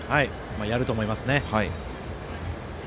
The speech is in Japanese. やると思いますね。